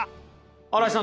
新井さん